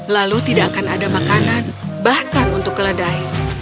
lalu tidak akan ada makanan bahkan untuk keledai